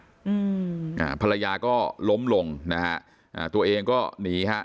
อืมอ่าภรรยาก็ล้มลงนะฮะอ่าตัวเองก็หนีฮะ